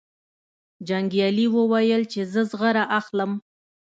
جنګیالي وویل چې زه زغره اخلم.